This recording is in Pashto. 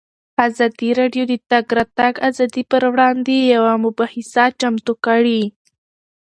ازادي راډیو د د تګ راتګ ازادي پر وړاندې یوه مباحثه چمتو کړې.